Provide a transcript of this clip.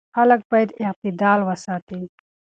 خلک باید اعتدال وساتي.